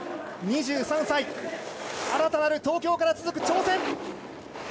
２３歳新たなる東京から続く挑戦。